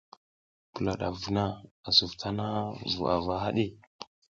Pula ɗaf vuna a suf tana vu ava haɗi.